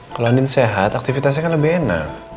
kalo anin sehat aktivitasnya kan lebih enak